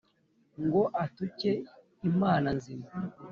ngo atuke Imana nzima.